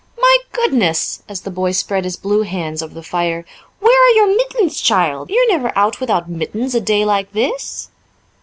My goodness," as the boy spread his blue hands over the fire, "where are your mittens, child? You're never out without mittens a day like this!"